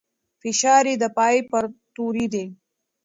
فشار يې د پای پر توري دی.